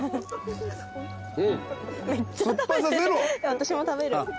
私も食べる。